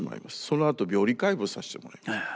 そのあと病理解剖させてもらいます。